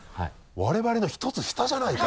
我々の１つ下じゃないか。